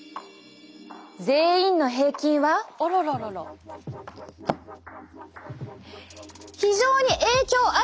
全員の平均は非常に影響あり！